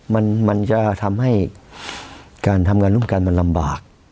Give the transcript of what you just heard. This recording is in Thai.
มันจะทำให้การทำงานร่วมกันมันลำบาก